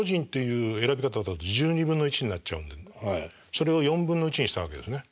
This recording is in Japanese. それを４分の１にしたわけですね。